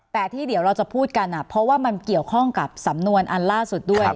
แต่ที่เดี๋ยวเราจะพูดกันเพราะว่ามันเกี่ยวข้องกับสำนวนอันล่าสุดด้วย